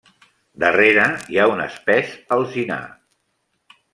Darrere, hi ha un espès alzinar.